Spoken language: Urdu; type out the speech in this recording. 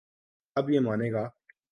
اب یہ مانے گا۔